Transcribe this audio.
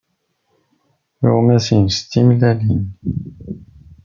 Tuɣmas-nnes d timellalin.